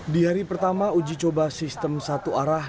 di hari pertama uji coba sistem satu arah